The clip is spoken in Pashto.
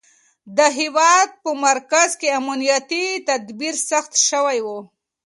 د هېواد په مرکز کې امنیتي تدابیر سخت شوي وو.